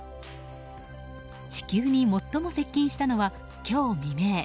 地球に最も接近したのは今日未明。